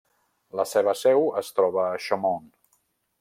La seva seu es troba a Chaumont.